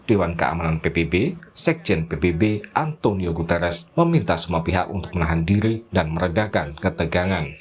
dewan keamanan pbb sekjen pbb antonio guterres meminta semua pihak untuk menahan diri dan meredakan ketegangan